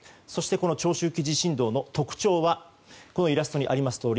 そして、長周期地震動の特徴はイラストにあります